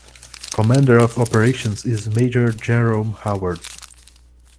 Commander of Operations is Major Jerome Howard.